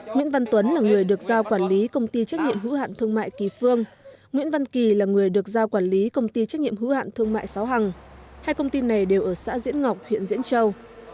nguyễn văn tuấn là người được giao quản lý công ty trách nhiệm hữu hạn thương mại kỳ phương nguyễn văn kỳ là người được giao quản lý công ty trách nhiệm hữu hạn thương mại sáu hằng hai công ty này đều ở xã diễn ngọc huyện diễn châu